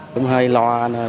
không hề lo